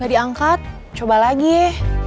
gak diangkat coba lagi ya